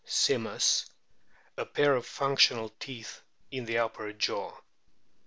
simus} a pair of functional teeth in the upper jaw.